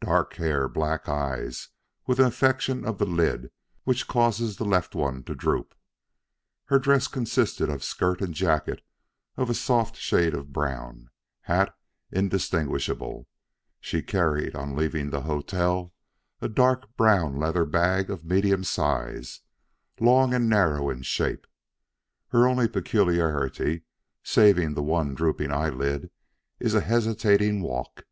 Dark hair, black eyes, with an affection of the lid which causes the left one to droop. Her dress consisted of skirt and jacket of a soft shade of brown. Hat indistinguishable. She carried, on leaving the hotel, a dark brown leather bag of medium size, long and narrow in shape. Her only peculiarity, saving the one drooping eyelid, is a hesitating walk.